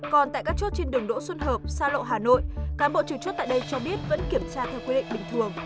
còn tại các chốt trên đường đỗ xuân hợp xa lộ hà nội cán bộ chủ chốt tại đây cho biết vẫn kiểm tra theo quy định bình thường